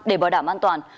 để bảo đảm an toàn